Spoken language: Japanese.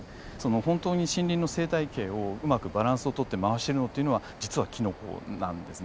本当に森林の生態系をうまくバランスを取って回してるのっていうのは実はキノコなんですね。